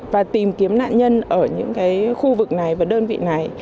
và tìm kiếm nạn nhân ở những khu vực này và đơn vị này